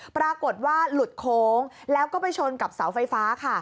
ปรากฏว่าหลุดโค้งแล้วก็ไปชนกับเสาไฟฟ้าค่ะ